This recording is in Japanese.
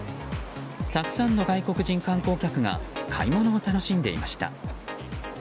たくさんの外国人観光客が買い物を楽しんでいました。